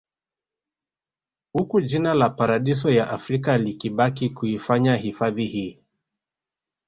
Uku jina la paradiso ya Afrika likibaki kuifanya hifadhi hii